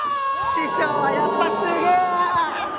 師匠はやっぱすげえや！